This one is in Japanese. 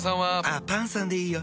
あっパンさんでいいよ。